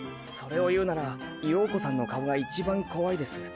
それを言うなら羊子さんの顔がいちばん怖いです。